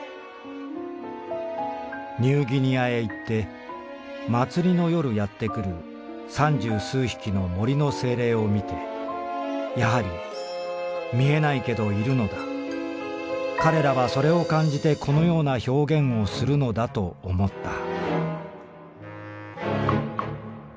「ニューギニアへ行って祭りの夜やってくる三十数匹の森の精霊をみてやはりみえないけどいるのだ彼等はそれを感じてこのような表現をするのだと思った」。